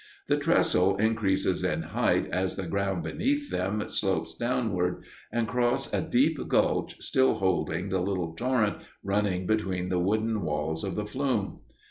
The trestle increases in height as the ground beneath them slopes downward, and cross a deep gulch, still holding the little torrent running between the wooden walls of the flume.